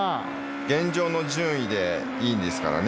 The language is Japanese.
現状の順位でいいんですからね。